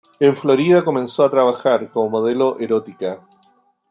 En Florida comenzó a trabajar como modelo erótica.